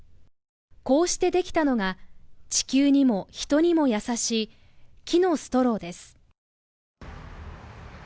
こうしてできたのが地球にも人にも優しい木のストローです。